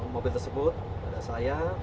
mobil tersebut pada saya